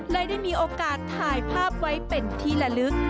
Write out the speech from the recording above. ได้มีโอกาสถ่ายภาพไว้เป็นที่ละลึก